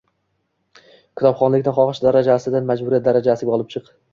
Kitobxonlikni xohish darajasidan majburiyat darajasiga olib chiq